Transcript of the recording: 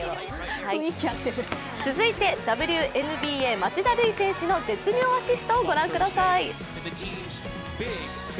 続いて、ＷＮＢＡ・町田瑠唯選手の絶妙アシストを御覧ください。